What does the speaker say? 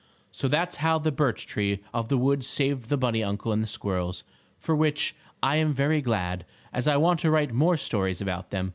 So that's how the birch tree of the woods saved the bunny uncle and the squirrels, for which, I am very glad, as I want to write more stories about them.